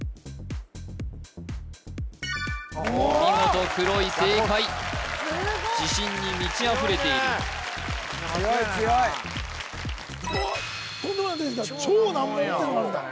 お見事くろい正解自信に満ちあふれている・強いね強い強いおっとんでもないの出てきた超難問ってのがあるんだ